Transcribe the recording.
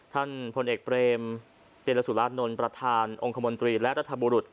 พลเอกเบรมติลสุรานนท์ประธานองค์คมนตรีและรัฐบุรุษ